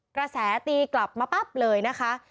กระแสตีกลับมาปั๊บเลยนะคะ